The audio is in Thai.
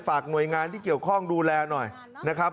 หน่วยงานที่เกี่ยวข้องดูแลหน่อยนะครับ